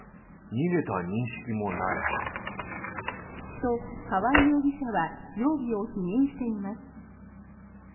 と、川合容疑者は容疑を否認しています。